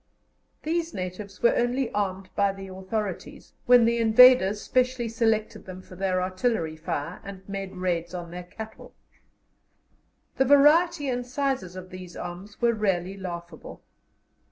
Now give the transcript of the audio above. These natives were only armed by the authorities when the invaders specially selected them for their artillery fire and made raids on their cattle. The variety and sizes of these arms were really laughable.